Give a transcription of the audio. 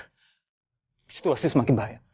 istuasi semakin bahaya